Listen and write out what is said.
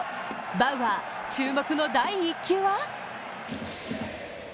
バウアー、注目の第１球は？